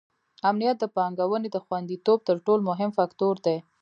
امنیت د پانګونې د خونديتوب تر ټولو مهم فکتور دی.